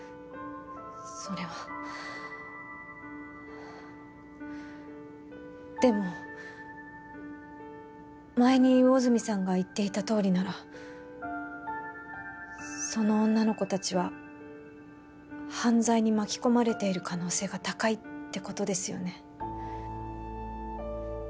それはでも前に魚住さんが言っていたとおりならその女の子達は犯罪に巻き込まれている可能性が高いってことですよね？